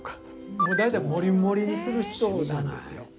もう大体盛り盛りにする人なんですよ。